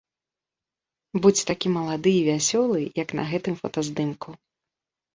Будзь такі малады і вясёлы, як на гэтым фотаздымку.